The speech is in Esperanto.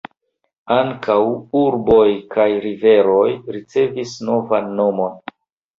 Ankaŭ urboj kaj riveroj ricevis novan nomon.